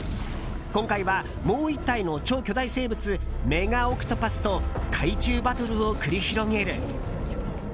今回は、もう１体の超巨大生物メガオクトパスと海中バトルを繰り広げる。